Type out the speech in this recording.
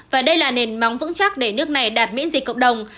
và đây là nền móng vững chắc để nước này đạt miễn dịch cộng đồng